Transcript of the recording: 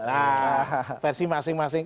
nah versi masing masing